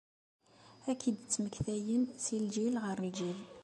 Ad k-id-ttmektayen si lǧil ɣer lǧil.